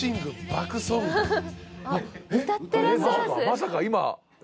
まさか今？